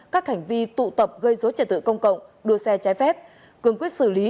các hành vi tụ tập gây dối trật tự công cộng đua xe trái phép cường quyết xử lý